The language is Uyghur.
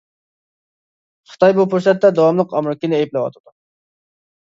خىتاي بۇ پۇرسەتتە داۋاملىق ئامېرىكىنى ئەيىبلەۋاتىدۇ.